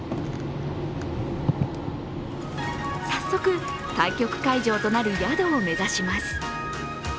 早速、対局会場となる宿を目指します。